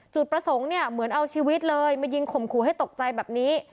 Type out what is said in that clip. จุดประสงค์เนี่ยเหมือนเอาชีวิตเลยมายิงข่มขู่ให้ตกใจแบบนี้